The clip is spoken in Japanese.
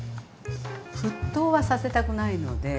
沸騰はさせたくないので。